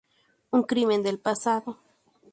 Un crimen del pasado.